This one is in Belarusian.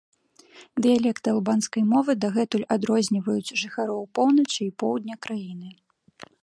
Дыялекты албанскай мовы дагэтуль адрозніваюць жыхароў поўначы і поўдня краіны.